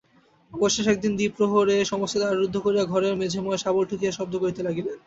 অবশেষে একদিন দ্বিপ্রহরে সমস্ত দ্বার রুদ্ধ করিয়া ঘরের মেঝেময় শাবল ঠুকিয়া শব্দ করিতে লাগিলেন।